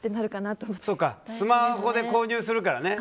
スマホで購入するからね。